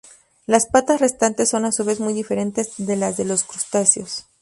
Las patas restantes son a su vez muy diferentes de las de los crustáceos.